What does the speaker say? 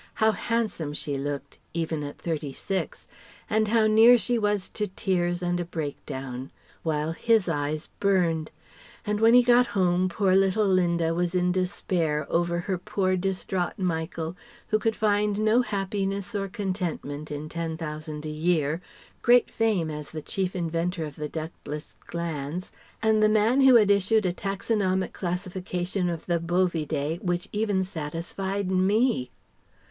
How handsome she looked (even at 36) and how near she was to tears and a breakdown; while his eyes burned; and when he got home poor little Linda was in despair over her poor distraught Michael, who could find no happiness or contentment in Ten Thousand a year, great fame as the chief inventor of the Ductless Glands, and the man who had issued a taxonomic classification of the Bovidae which even satisfied me.